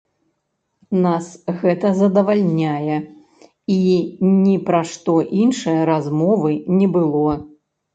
Нас гэта задавальняе і ні пра што іншае размовы не было.